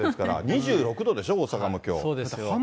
２６度でしょ、大阪も、きょう。